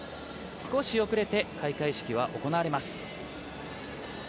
少しおくれて開会式は行われます。